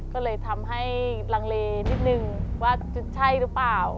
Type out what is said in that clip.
ก็เลยทำให้ลังเลนิดนึงว่าจะใช่หรือเปล่า